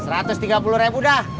satu ratus tiga puluh ribu dah